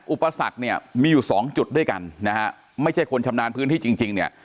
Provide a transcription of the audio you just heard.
อุปสรรคเนี่ยมีอยู่สองจุดด้วยกันนะฮะไม่ใช่คนชำนาญพื้นที่จริงจริงเนี่ย